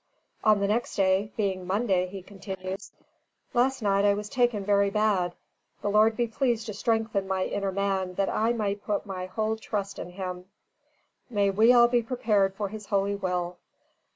On the next day, "being Monday," he continues, "Last night I was taken very Bad: the Lord be pleased to strengthen my inner man that I may put my whole Trust in him. May we all be prepared for his holy will.